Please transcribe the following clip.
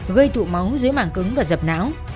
gây tụ máu dưới mảng cứng và dập não